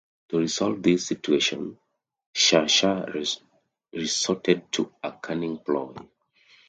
To resolve this situation, Sher Shah resorted to a cunning ploy.